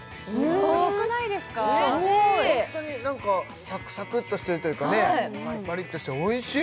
ホントにサクサクッとしてるというかパリパリッとしておいしい！